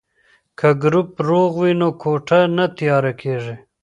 که ګروپ روغ وي نو کوټه نه تیاره کیږي.